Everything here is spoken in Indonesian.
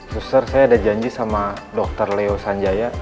suster saya ada janji sama dokter leo sanjaya